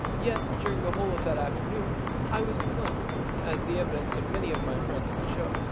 Yet during the whole of that afternoon I was in London, as the evidence of many of my friends would show.